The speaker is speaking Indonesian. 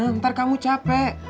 ntar kamu capek